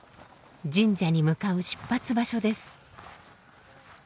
神社に向かう出発場所です。